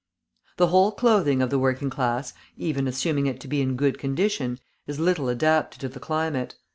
The whole clothing of the working class, even assuming it to be in good condition, is little adapted to the climate.